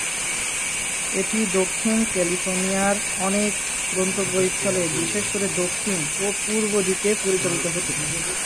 এটি দক্ষিণ ক্যালিফোর্নিয়ার অনেক গন্তব্যস্থলে, বিশেষ করে দক্ষিণ ও পূর্ব দিকে পরিচালিত হত।